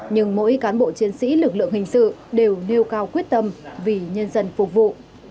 nhưng mỗi cán bộ chiến sĩ lực lượng hình sự đều nêu cao quyết tâm vì nhân dân phục vụ